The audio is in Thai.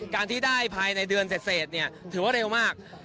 การที่ได้ภายในเดือนเสร็จถือว่าเร็วมาก